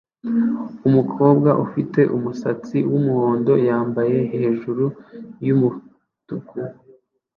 Umukobwa ufite umusatsi wumuhondo yambaye hejuru yumutuku